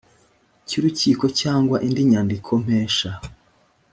cy urukiko cyangwa indi nyandikompesha